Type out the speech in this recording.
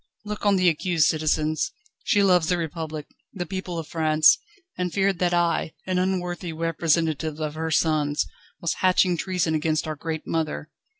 Look on the accused, citizens. She loves the Republic, the people of France, and feared that I, an unworthy representative of her sons, was hatching treason against our great mother.